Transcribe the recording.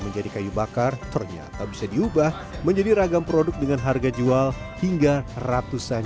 menjadi kayu bakar ternyata bisa diubah menjadi ragam produk dengan harga jual hingga ratusan